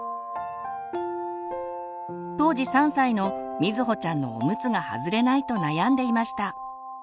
当時３歳の瑞穂ちゃんのおむつが外れないと悩んでいました。